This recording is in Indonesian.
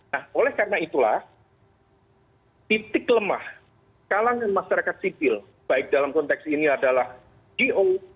nah oleh karena itulah titik lemah kalangan masyarakat sipil baik dalam konteks ini adalah go